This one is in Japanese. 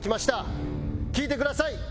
聴いてください。